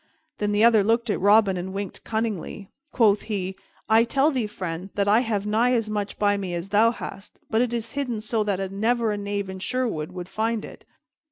Then the other looked at Robin and winked cunningly. Quoth he, "I tell thee, friend, that I have nigh as much by me as thou hast, but it is hidden so that never a knave in Sherwood could find it."